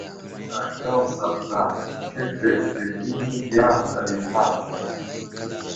Kaɗakan zalta ketek dedi məgiya ghay i ma.